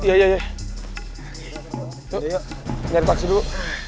ayo nyari paksi dulu